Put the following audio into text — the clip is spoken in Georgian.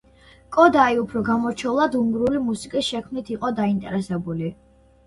კოდაი უფრო გამორჩეულად უნგრული მუსიკის შექმნით იყო დაინტერესებული.